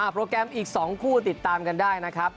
โปรแกรมอีก๒คู่ติดตามกันได้นะครับ